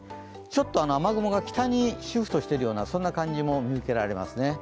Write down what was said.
ちょっと雨雲が北にシフトしているような感じも見受けられますね。